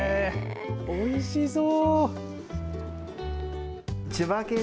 おいしそう。